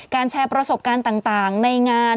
แชร์ประสบการณ์ต่างในงาน